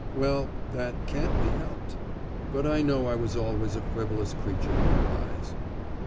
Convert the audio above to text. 'Well, that can't be helped! But I know I was always a frivolous creature in your eyes.